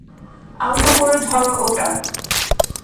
আলতো করে ধরো ওটা।